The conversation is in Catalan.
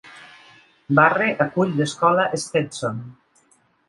Barre acull l'escola Stetson.